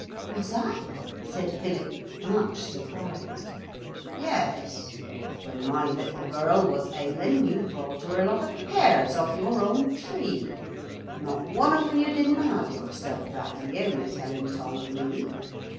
'Was I?' said Philip, much surprised. 'Yes; when my little girl was ailing you brought her a lot of pears off your own tree. Not one of 'em you didn't 'ave yourself that year, Miss Helen told me.